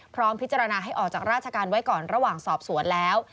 พร้อมพิจารณาให้ออกจากราชการไว้ก่อนระหว่างสอบสวนแล้ว